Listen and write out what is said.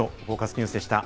ニュースでした。